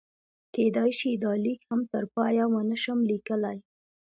کېدای شي دا لیک هم تر پایه ونه شم لیکلی.